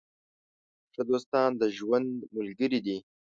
ښه دوستان د ژوند ملګري دي.